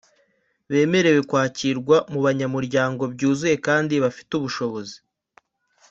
bemerewe kwakirwa mubanyamuryango byuzuye kandi bafite ubushobozi